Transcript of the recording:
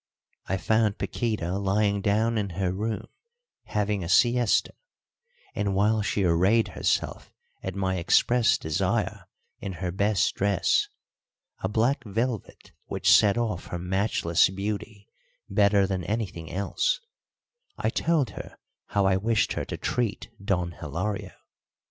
I found Paquíta lying down in her room having a siesta; and while she arrayed herself at my express desire in her best dress a black velvet which set off her matchless beauty better than anything else, I told her how I wished her to treat Don Hilario.